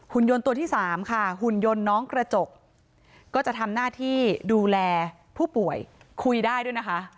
คุณยนต์ตัวที่สามค่ะหุ่นยนต์น้องกระจกก็จะทำหน้าที่ดูแลผู้ป่วยคุยได้ด้วยนะคะ